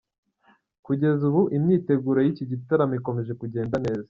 Kugeza ubu imyiteguro y’iki gitaramo ikomeje kugenda neza.